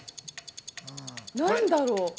何だろう？